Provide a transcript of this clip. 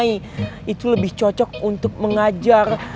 itu lebih cocok untuk mengajar